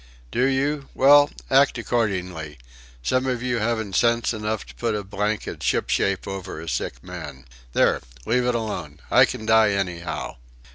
"Do you?... Well, act according! Some of you haven't sense enough to put a blanket shipshape over a sick man. There! Leave it alone! I can die anyhow!"